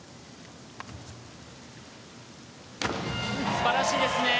素晴らしいですね。